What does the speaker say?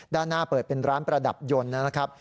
ด้านหน้าเปิดเป็นร้านประดับยนต์นะครับ